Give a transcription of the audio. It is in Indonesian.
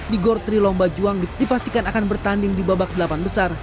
di gor tri lomba juang dipastikan akan bertanding di babak delapan besar